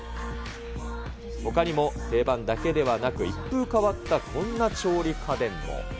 ほかにも定番だけではなく、一風変わったこんな調理家電も。